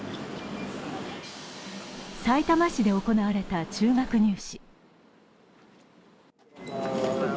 さいたま市で行われた中学入試。